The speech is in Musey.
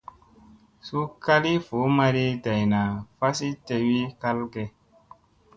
Suu kali voo maɗii dayna fasii tewii kalge ?